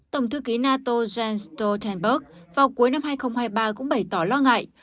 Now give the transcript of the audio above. tổng thư ký nato jens stoltenberg vào cuối năm hai nghìn hai mươi ba cũng bày tỏ lo ngại